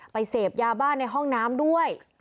เสพยาบ้าในห้องน้ำด้วย